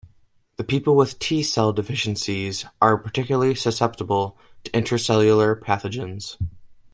People with T cell deficiencies are particularly susceptible to intracellular pathogens.